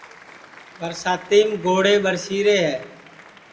برساتِیم گوڑھے ٻرسی رے ہے